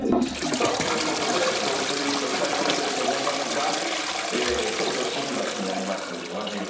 さあ、ということで、ＧｏＴｏイート期待されてると思いますが、東京・新橋にあります、おなじみ